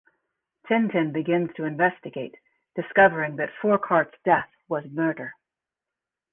Tintin begins to investigate, discovering that Fourcart's death was murder.